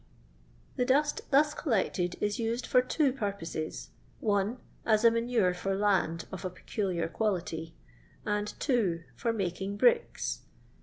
The dust thus collected is used for two pur poses, (1) as a manure for land of a peculiar quality; and (2) for making bricks.